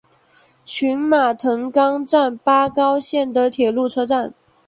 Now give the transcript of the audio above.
群马藤冈站八高线的铁路车站。